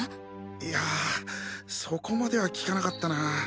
いやぁそこまでは聞かなかったなぁ。